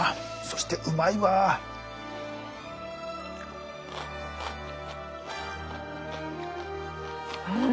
そしてうまいわあ。